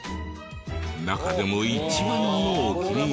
中でも一番のお気に入りが。